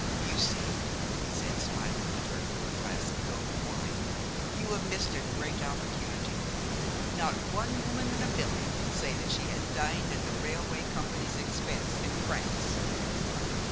"You see," he said, smiling at her through a glass of golden wine, "you have missed a great opportunity. Not one woman in a million can say that she has dined at the railway company's expense in France."